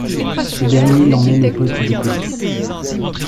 Ce dernier l'emmène au poste de police.